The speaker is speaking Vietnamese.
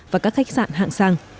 và các khách sạn hạng sang